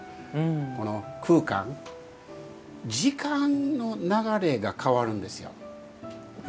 この空間時間の流れが変わるんですよ。といいますと？